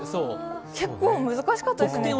結構、難しかったですね、今日。